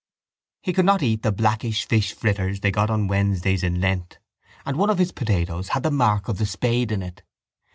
He could not eat the blackish fish fritters they got on Wednesdays in Lent and one of his potatoes had the mark of the spade in it.